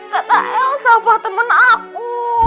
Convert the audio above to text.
kata elsa buat temen aku